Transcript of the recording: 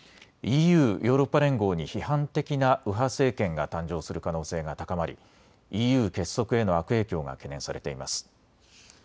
ＥＵ・ヨーロッパ連合に批判的な右派政権が誕生する可能性が高まりＥＵ結束への悪影響が懸念されています。